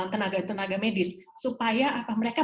tenaga tenaga medis supaya apa mereka